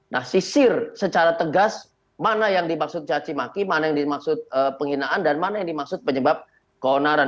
nah sisir secara tegas mana yang dimaksud cacimaki mana yang dimaksud penghinaan dan mana yang dimaksud penyebab keonaran